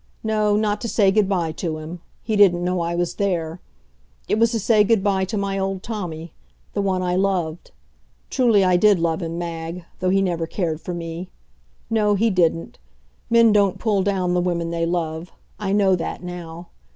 No, not to say good by to him. He didn't know I was there. It was to say good by to my old Tommy; the one I loved. Truly I did love him, Mag, though he never cared for me. No, he didn't. Men don't pull down the women they love; I know that now.